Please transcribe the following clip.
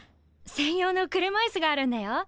専用の車いすがあるんだよ。